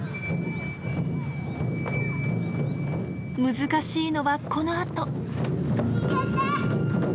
難しいのはこのあと。